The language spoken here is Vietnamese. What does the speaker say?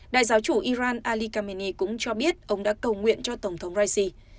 đại giáo chủ iran ali kamenei cũng cho biết ông đã cầu nguyện cho tổng thống raisi